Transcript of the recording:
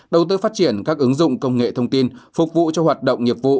đầu tư phát triển các ứng dụng công nghệ thông tin phục vụ cho hoạt động nghiệp vụ